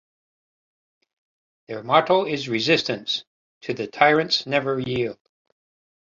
Their motto is resistance - To the tyrants never yield!